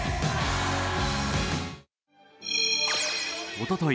おととい